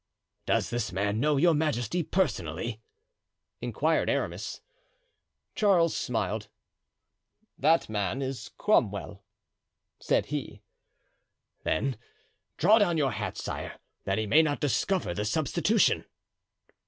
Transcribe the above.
"Does this man know your majesty personally?" inquired Aramis. Charles smiled. "That man is Cromwell," said he. "Then draw down your hat, sire, that he may not discover the substitution."